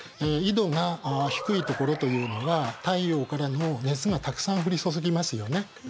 緯度が低い所というのは太陽からの熱がたくさん降り注ぎますよね。